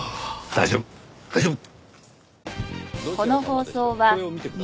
大丈夫大丈夫。